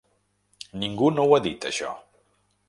Ningú no ho ha dit, això.